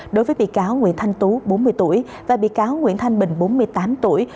đối với bị cáo nguyễn thanh tú bốn mươi tuổi và bị cáo nguyễn thanh bình bốn mươi tám tuổi